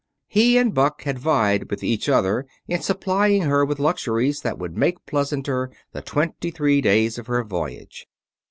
He and Buck had vied with each other in supplying her with luxuries that would make pleasanter the twenty three days of her voyage.